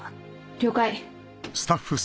了解。